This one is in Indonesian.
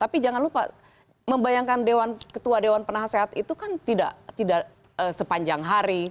tapi jangan lupa membayangkan ketua dewan penasehat itu kan tidak sepanjang hari